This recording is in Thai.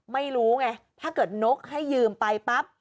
ไม่รู้ไงถ้าเกิดนกให้ยืมไปปั๊บ